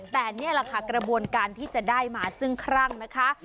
แต่นี่กระบวนการที่จะให้มาคือซึ่งคร่างนะคะ